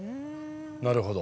なるほど。